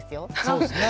そうですね！